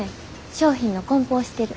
商品のこん包してる。